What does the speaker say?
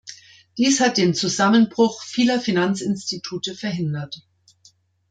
Dies hat den Zusammenbruch vieler Finanzinstitute verhindert.